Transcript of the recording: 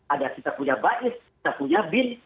ada kita punya bais kita punya bin